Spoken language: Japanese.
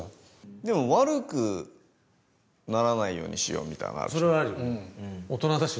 でも悪くならないようにしようみたいなのはあるでしょ。